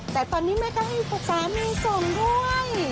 แต่ตอนนี้แม่ก็ให้ผู้สามีส่งด้วย